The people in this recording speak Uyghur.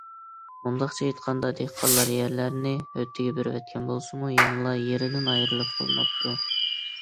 مۇنداقچە ئېيتقاندا، دېھقانلار يەرلىرىنى ھۆددە بېرىۋەتكەن بولسىمۇ يەنىلا يېرىدىن ئايرىلىپ قالماپتۇ.